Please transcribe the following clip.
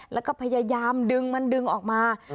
แล้วก็พยายามดึงมันดึงออกมา